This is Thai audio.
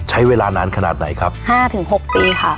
ใช้เวลานานขนาดไหนครับ๕๖ปีค่ะ